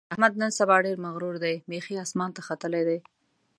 احمد نن سبا ډېر مغرور دی؛ بیخي اسمان ته ختلی دی.